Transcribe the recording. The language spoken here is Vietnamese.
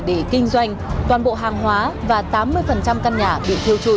để kinh doanh toàn bộ hàng hóa và tám mươi căn nhà bị thiêu trụi